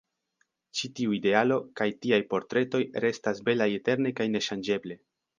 Ĉi tiu idealo kaj tiaj portretoj restas belaj eterne kaj neŝanĝeble.